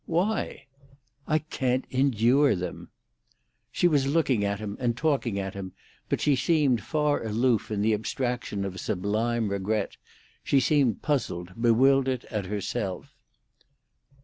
"Why?" "I can't endure them." She was looking at him and talking at him, but she seemed far aloof in the abstraction of a sublime regret; she seemed puzzled, bewildered at herself.